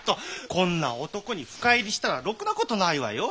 こんな男に深入りしたらロクな事ないわよ。